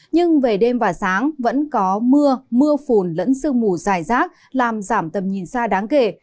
nhưng về đêm và sáng vẫn có mưa mưa phùn lẫn sương mù dài rác làm giảm tầm nhìn xa đáng kể